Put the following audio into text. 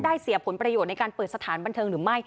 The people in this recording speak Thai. เสียผลประโยชน์ในการเปิดสถานบันเทิงหรือไม่